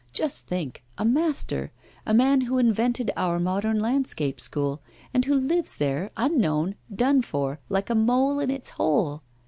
Just think, a master, a man who invented our modern landscape school, and who lives there, unknown, done for, like a mole in its hole!